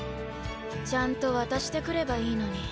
ちゃんと渡してくればいいのに。